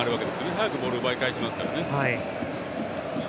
早くボールを奪い返しますから。